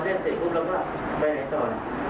พอเรานอนเรียนสิบครบแล้วล่ะไปไหนตอน